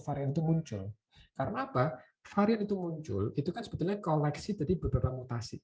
varian itu muncul karena apa varian itu muncul itu kan sebetulnya koleksi dari beberapa mutasi